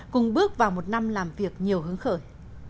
cùng bước vào một năm làm việc nhiều hướng khởi